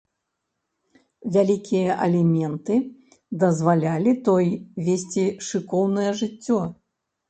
Вялікія аліменты дазвалялі той весці шыкоўнае жыццё.